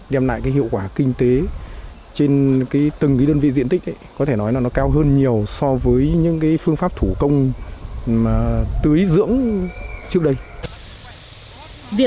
đem lại hiệu quả kinh tế trên từng đơn vị diện tích cao hơn nhiều so với những phương pháp thuận lợi